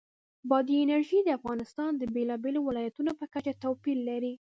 بادي انرژي د افغانستان د بېلابېلو ولایاتو په کچه توپیر لري.